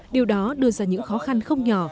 điều đó đưa ra những khó khăn không nhỏ